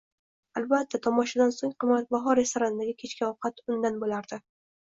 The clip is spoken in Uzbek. Albatta, tomoshadan so'ng qimmatbaho restorandagi kechki ovqat undan bo'lardi